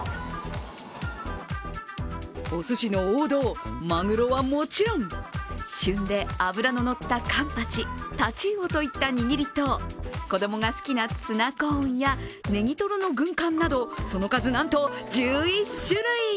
おすしの王道、まぐろはもちろん、旬で脂の乗ったカンパチ太刀魚といった握りと子供が好きなツナコーンやねぎとろの軍艦などその数、なんと１１種類。